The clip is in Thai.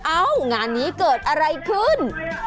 งานนี้เกิดอะไรขึ้น